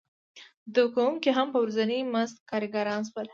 زده کوونکي هم په ورځیني مزد کارګران شول.